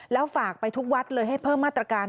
แล้วฝากไปทุกวัดเลยให้เพิ่มมาตรการ